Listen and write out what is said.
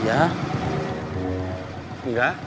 di situ jadi ngantur